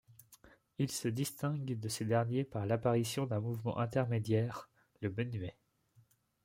Ils se distinguent de ces derniers par l'apparition d'un mouvement intermédiaire, le menuet.